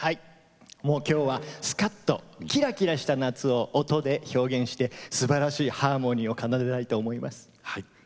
きょうはスカッとキラキラした夏を音で表現してすばらしいハーモニーを奏でたいと思います。